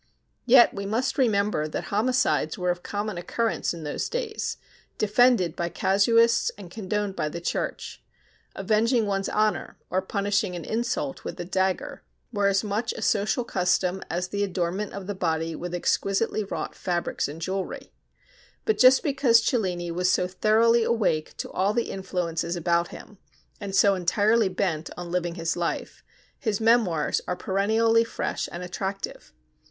Yet we must remember that homicides were of common occurrence in those days, defended by casuists and condoned by the Church. Avenging one's honor, or punishing an insult with the dagger, were as much a social custom as the adornment of the body with exquisitely wrought fabrics and jewelry. But just because Cellini was so thoroughly awake to all the influences about him, and so entirely bent on living his life, his 'Memoirs' are perennially fresh and attractive.